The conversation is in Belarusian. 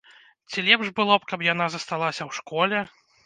Ці лепш было б, каб яна засталася ў школе?